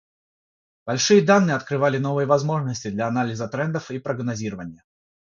Большие данные открывали новые возможности для анализа трендов и прогнозирования.